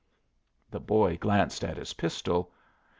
The boy glanced at his pistol.